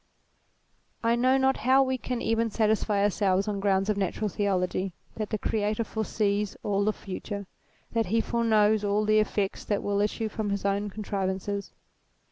I know not how we can even satisfy ourselves on grounds of natural theology, that the Creator foresees all the future ; that he foreknows all the effects that will issue from his own contrivances.